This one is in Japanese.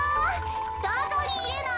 どこにいるの？